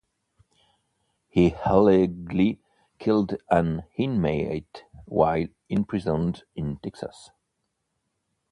He allegedly killed an inmate while imprisoned in Texas.